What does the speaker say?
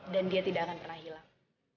dan dia tidak akan pernah hilang